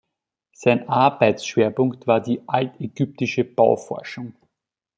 Sein Arbeitsschwerpunkt war die altägyptische Bauforschung.